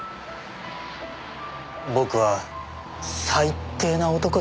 僕は最低な男です。